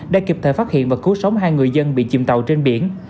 để kịp thời phát hiện và cứu sống hai người dân bị chìm tàu trên biển